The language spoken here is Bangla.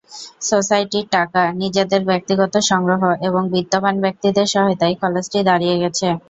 সোসাইটির টাকা, নিজেদের ব্যক্তিগত সংগ্রহ এবং বিত্তবান ব্যক্তিদের সহায়তায় কলেজটি দাঁড়িয়ে গেছে।